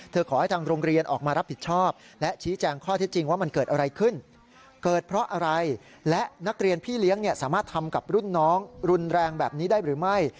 ที่เลี้ยงเนี่ยสามารถทำกับรุ่นน้องรุนแรงแบบนี้ได้หรือไม่